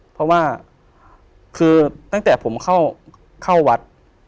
เพราะว่าคือตั้งแต่ผมเข้าวัด